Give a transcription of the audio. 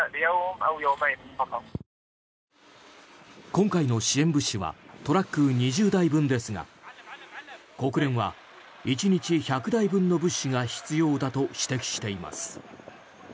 今回の支援物資はトラック２０台分ですが国連は１日１００台分の物資が必要だと指摘しています。